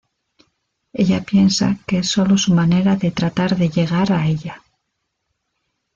Ella piensa que es sólo su manera de tratar de llegar a ella.